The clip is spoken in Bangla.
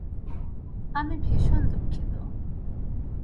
আমি ভীষণ দুঃখিত।